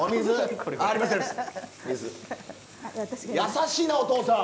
優しいなお父さん。